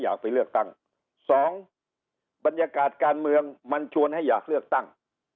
อยากไปเลือกตั้งสองบรรยากาศการเมืองมันชวนให้อยากเลือกตั้ง